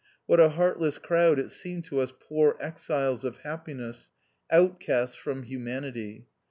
What a heartless crowd it seemed to us poor exiles of happiness, outcasts from humanity.